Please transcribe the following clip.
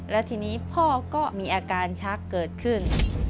แล้วทีนี้พ่อก็มีอาการชักเกิดขึ้น